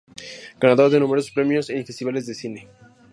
Ganador de numerosos premios en festivales de cine.